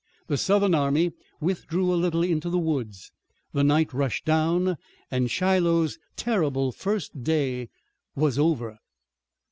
The Southern army withdrew a little into the woods, the night rushed down, and Shiloh's terrible first day was over.